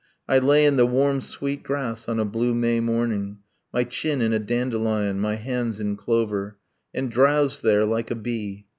. I lay in the warm sweet grass on a blue May morning, My chin in a dandelion, my hands in clover, And drowsed there like a bee.